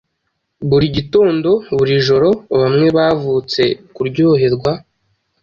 Buri gitondo & buri joro Bamwe bavutse kuryoherwa.